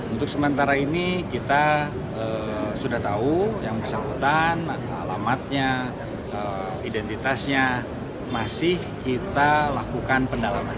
untuk sementara ini kita sudah tahu yang bersangkutan ada alamatnya identitasnya masih kita lakukan pendalaman